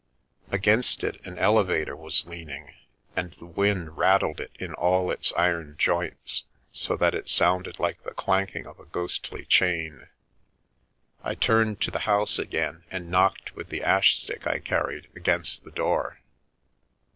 Against it an elevator was leaning, and the wind rattled it in all its iron joints, so that it sounded like the clanking of a ghostly chain. I turned to the house again, and knocked with the ash stick I carried, against the door.